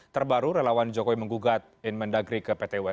terbaru relawan jokowi menggugat inmendagri ke pt un